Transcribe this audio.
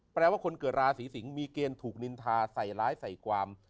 แปลว่าคนเกิดราศีสิงศ์มีเกณฑ์ถูกนินทาใส่ร้ายใส่ความ